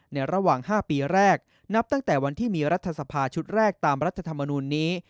ในระหว่าง๕ปีแรกนับตั้งแต่วันที่มีรัฐสภาชุดแรกตามรัฐธรรมนูลนี้